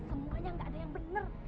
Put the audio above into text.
semuanya gak ada yang bener